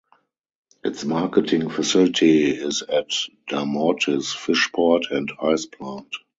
Its marketing facility is at Damortis Fish Port and Ice Plant.